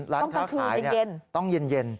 ร้านข้าวขายนี่ต้องเย็นใช่ค่ะต้องเย็น